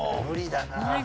無理だな。